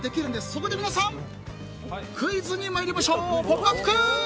そこで皆さんクイズに参りましょう！